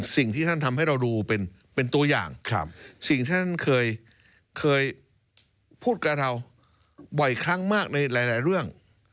สิ่งที่ท่านทำให้เราดูเป็นตัวอย่างสิ่งที่ท่านเคยพูดกับเราบ่อยครั้งมากในหลายเรื่อง